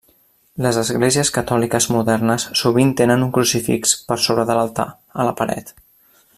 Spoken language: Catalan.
Les esglésies catòliques modernes sovint tenen un crucifix per sobre de l'altar, a la paret.